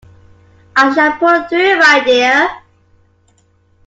I shall pull through, my dear!